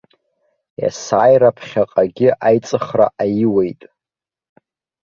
Есааира ԥхьаҟагьы аиҵыхра аиуеит.